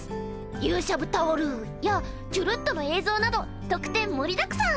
ＹＵＳＨＡＢＵタオルや「ちゅるっと！」の映像など特典盛りだくさん！